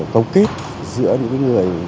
công kết giữa những người